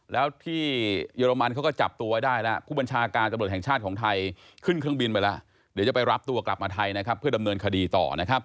แล้วที่เยอรมันเขาก็จับตัวไว้ได้แล้วผู้บัญชาการตำรวจแห่งชาติของไทยขึ้นเครื่องบินไปแล้วเดี๋ยวจะไปรับตัวกลับมาไทยนะครับเพื่อดำเนินคดีต่อนะครับ